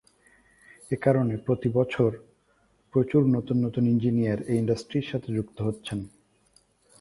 তিনি নিয়মিত উইকেট-রক্ষক জ্যাক রাসেলের স্থলাভিষিক্ত হন।